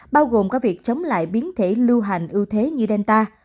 bao gồm có việc chống lại biến thể lưu hành ưu thế như delta